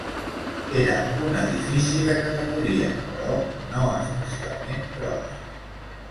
Era un edifici de categoria, però no especialment gros.